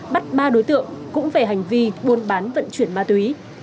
bắt ba đối tượng cũng về hành vi buôn bán vận chuyển ma túy